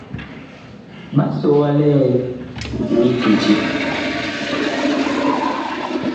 Ɓa sɔ wa liɛn nyi kiti.